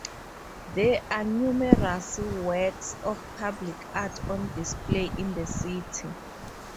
There are numerous works of public art on display in the city.